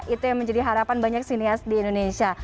itu yang menjadi harapan banyak sinias di indonesia